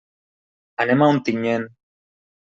Anem a Ontinyent.